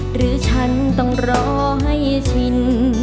หรือฉันต้องรอให้ชิน